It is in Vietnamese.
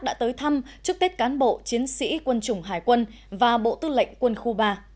đã tới thăm chúc tết cán bộ chiến sĩ quân chủng hải quân và bộ tư lệnh quân khu ba